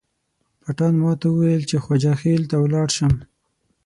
پټان ماته وویل چې خواجه خیل ته ولاړ شم.